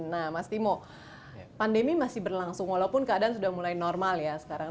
nah mas timo pandemi masih berlangsung walaupun keadaan sudah mulai normal ya sekarang